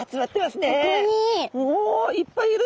おいっぱいいる。